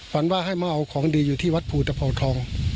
ฝันว่าให้มาเอาของดีอยู่ที่วัดภูตภาวทอง